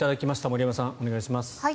森山さん、お願いします。